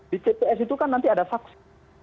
di tps itu kan nanti ada saksi